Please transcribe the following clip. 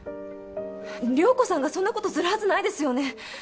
涼子さんがそんなことするはずないですよね。